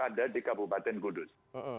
ada di kabupaten kudus